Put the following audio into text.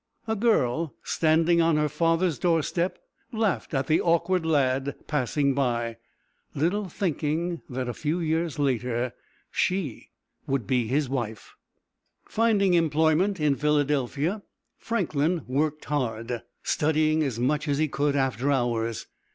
A girl standing on her father's doorstep laughed at the awkward lad passing by, little thinking that a few years later she would be his wife. [Illustration: Franklin's Entry into Philadelphia.] Finding employment in Philadelphia, Franklin worked hard, studying as much as he could after hours.